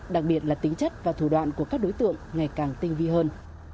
đặc biệt là tính chất và thủ đoạn của các đối tượng ngày càng tinh thần